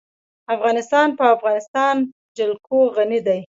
افغانستان په د افغانستان جلکو غني دی.